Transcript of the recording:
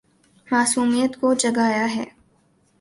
معصومیت کو جگایا ہے